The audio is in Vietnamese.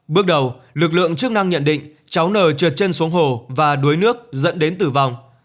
bước đầu lực lượng chức năng nhận định cháu nờ trượt chân xuống hồ và đuối nước dẫn đến tử vong